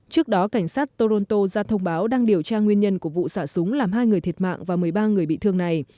trước đó cảnh sát toronto ra thông báo đang điều tra nguyên nhân của vụ xả súng làm hai người thiệt mạng và một mươi ba người bị thương này